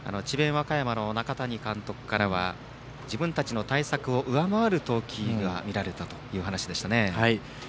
和歌山の中谷監督からは自分たちの対策を上回る投球が見られたという話でしたね。